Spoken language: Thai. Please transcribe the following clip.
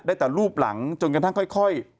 ได้ตั้งรูปหลังจนกระทั่งค่อย